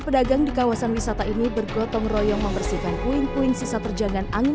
pedagang di kawasan wisata ini bergotong royong membersihkan puing puing sisa terjangan angin